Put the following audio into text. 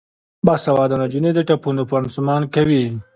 باسواده نجونې د ټپونو پانسمان کوي.